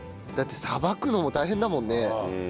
だってさばくのも大変だもんね。